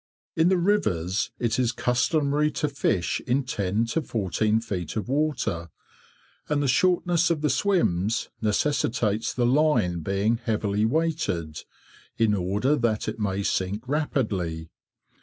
In the rivers it is customary to fish in 10 to 14 feet of water, and the shortness of the swims necessitates the line being heavily weighted, in order that it may sink rapidly.